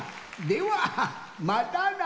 ではまたな！